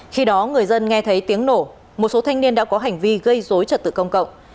khi đó người dân nghe thấy tiếng nổ một số thanh niên đã có hành vi gây dối trật tự công cộng